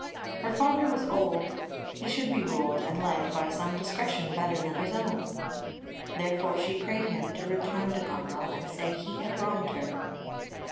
Her father was old, he should be ruled and led by some discretion better than his own. Therefore she prayed him to return to Goneril and say he had wronged her.